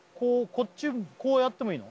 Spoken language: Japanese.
こっちこうやってもいいの？